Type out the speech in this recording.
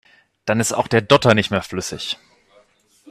Dann ist auch der Dotter nicht mehr flüssig.